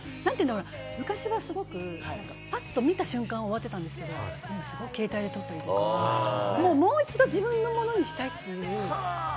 昔はすごくパッと見た瞬間、終わってたんですけれども、今、携帯で撮ったりとか、もう一度自分のものにしたいという。